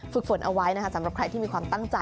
ฝึกฝนเอาไว้นะคะสำหรับใครที่มีความตั้งใจ